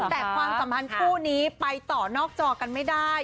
แต่ความสัมพันธ์คู่นี้ไปต่อนอกจอกันไม่ได้